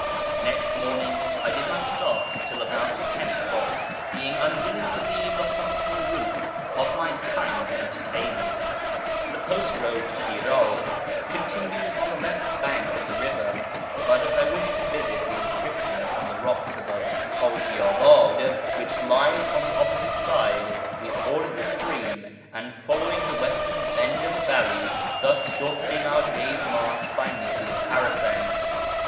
Next morning I did not start till about ten o'clock, being unwilling to leave the hospitable roof of my kind entertainers. The post road to Shir; iz continues on the left bank of the river, but as I wished to visit the inscriptions on the rocks above H;ijiabad, which lies on the opposite side, we forded the stream, and followed the western bend of the valley, thus shortening our day's march by nearly a parasang.